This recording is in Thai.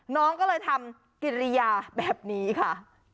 น้องก็เลยทำกิริยาแบบนี้ค่ะ